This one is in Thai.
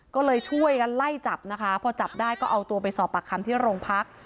ก็เลยช่วยกันไล่จับนะคะพอจับได้ก็เอาตัวไปสอบปากคำที่โรงพัก